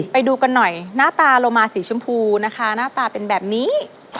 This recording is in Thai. ไปดูกันหน่อยหน้าตาโลมาสีชมพูนะคะหน้าตาเป็นแบบนี้